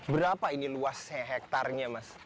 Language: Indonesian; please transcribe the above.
berapa ini luas hektarnya mas